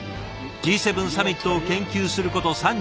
Ｇ７サミットを研究すること３５年。